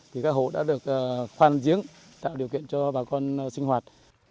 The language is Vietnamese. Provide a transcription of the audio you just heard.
thì các hộ đã được khoan giếng tạo điều kiện cho bà con sinh hoạt